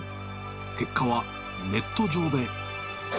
結果は、ネット上で。